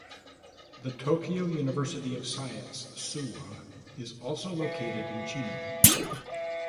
The Tokyo University of Science, Suwa is also located in Chino.